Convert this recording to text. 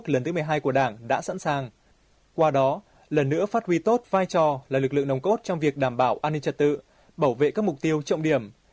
lần nữa phát huy tốt vai trò là lực lượng nồng cốt trong việc đảm bảo an ninh trật tự bảo vệ các mục tiêu trọng điểm